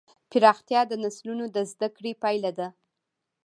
پراختیا د نسلونو د زدهکړې پایله ده.